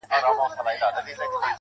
سم داسي ښكاري راته.